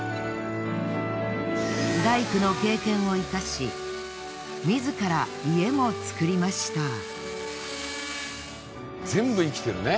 大工の経験を生かし自ら家も作りました。